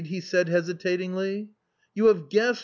he said hesitatingly. " You have guessed !